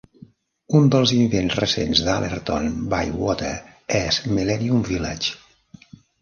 Un dels invents recents d'Allerton Bywater és Millennium Village